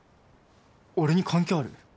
俺に関係ある？